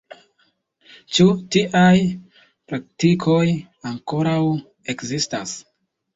Ĉu tiaj praktikoj ankoraŭ ekzistas?